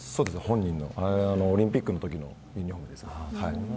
本人のオリンピックのときのユニホームです。